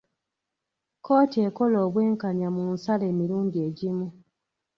Kkooti ekola obwenkanya mu nsala emirundi egimu.